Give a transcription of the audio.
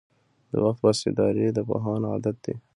• د وخت پاسداري د پوهانو عادت دی.